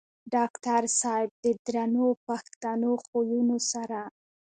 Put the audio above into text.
ډاکټر صېب د درنو پښتنو خويونو سره